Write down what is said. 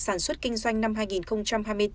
sản xuất kinh doanh năm hai nghìn hai mươi bốn